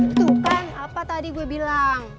itu kan apa tadi gue bilang